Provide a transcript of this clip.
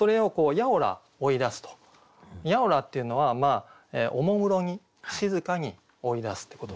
「やをら」っていうのはおもむろに静かに追い出すってことですね。